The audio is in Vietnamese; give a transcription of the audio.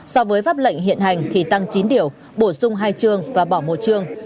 so với pháp lệnh hiện hành thì tăng chín điều bổ sung hai trương và bỏ một trương